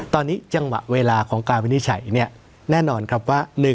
ตอนนี้จังหวะเวลาของการวินิจฉัยแน่นอนครับว่า